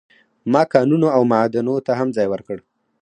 ما کانونو او معادنو ته هم ځای ورکړ.